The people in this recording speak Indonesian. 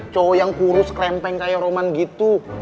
cowok yang kurus klempeng kayak roman gitu